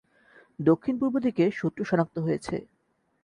দক্ষিণ পূর্ব দিকে শত্রু শনাক্ত হয়েছে।